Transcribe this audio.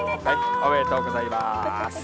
おめでとうございます。